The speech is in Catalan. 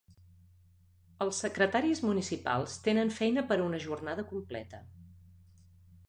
Els secretaris municipals tenen feina per a una jornada completa.